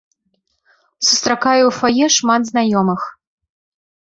Сустракаю ў фае шмат знаёмых.